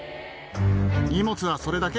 荷物はそれだけ？